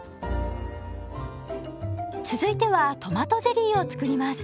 続いてはトマトゼリーを作ります。